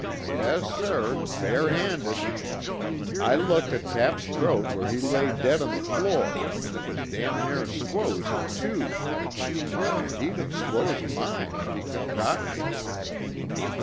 Yes sir, bare handed! I looked at Cap's throat where he lay dead on the floor an' it was damn near squose in two! An' he'd of squose mine, if he could caught me!"